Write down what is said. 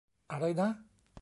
อะไรนะ ?